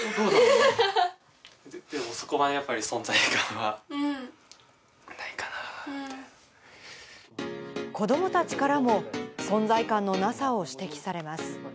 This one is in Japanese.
でもそこはやっぱり、子どもたちからも、存在感のなさを指摘されます。